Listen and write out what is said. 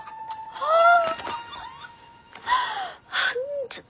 ああ！